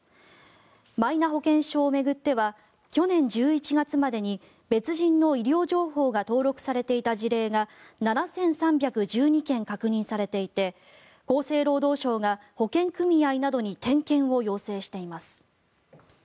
マイナ保険証を巡っては去年１１月までに別人の医療情報が登録されていた事例が７３１２件確認されていて厚生労働省が保険組合などに点検を要請しています。